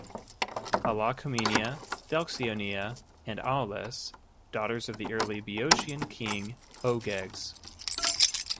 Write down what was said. Alalcomenia, Thelxionoea and Aulis, daughters of the early Boeotian king Ogyges.